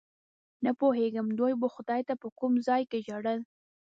نه پوهېږم دوی به خدای ته په کوم ځای کې ژړل.